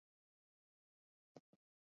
د ایران پوځ د افغانانو په وړاندې ماته وخوړه.